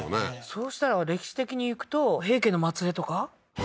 そうしたら歴史的にいくと平家の末えいとか？